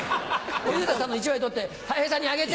小遊三さんの１枚取ってたい平さんにあげて！